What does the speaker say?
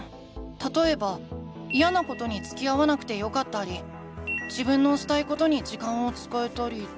たとえばイヤなことにつきあわなくてよかったり自分のしたいことに時間を使えたり。